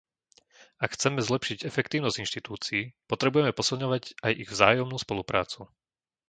Ak chceme zlepšiť efektívnosť inštitúcií, potrebujeme posilňovať aj ich vzájomnú spoluprácu.